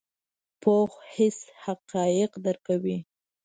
پوخ حس حقایق درک کوي